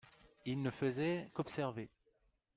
il ne faisait qu'observer.